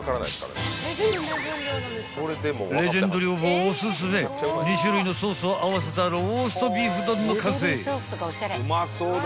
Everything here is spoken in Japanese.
［レジェンド寮母おすすめ２種類のソースを合わせたローストビーフ丼の完成］